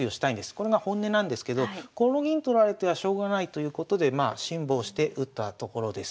これが本音なんですけどこの銀取られてはしょうがないということでまあ辛抱して打ったところです。